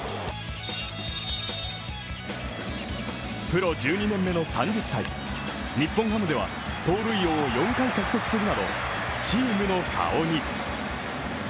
プロ１２年目の３０歳、日本ハムでは盗塁王を４回獲得するなどチームの顔に。